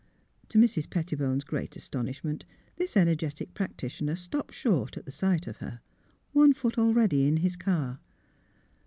To Mrs. Pettibone's great astonishment this energetic practitioner stopped short at sight of her, one foot already in his car.